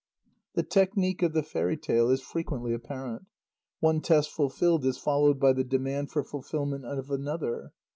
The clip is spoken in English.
The technique of the fairy tale is frequently apparent. One test fulfilled is followed by the demand for fulfilment of another.